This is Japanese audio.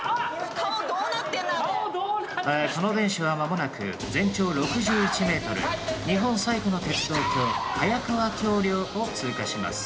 この電車は間もなく全長６１ｍ日本最古の鉄道橋早川橋梁を通過します。